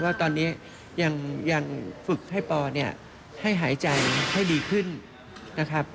ว่าตอนนี้ยังฝึกให้ปอเนี่ยให้หายใจให้ดีขึ้นนะครับ